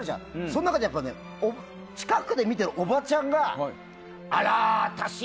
その中で近くで見ているおばちゃんがあらー、私ＵＦＯ